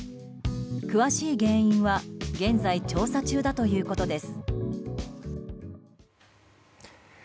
詳しい原因は現在調査中だということです。